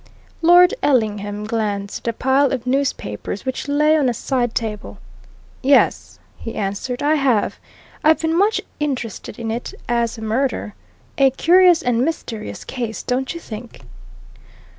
Lord Ellingham glanced at a pile of newspapers which lay on a side table. "Yes," he answered, "I have. I've been much interested in it as a murder. A curious and mysterious case, don't you think?"